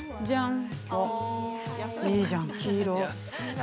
じゃん、いいじゃん黄色。